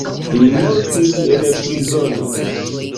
Li mortis en prizono.